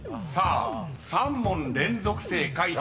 ［さあ３問連続正解。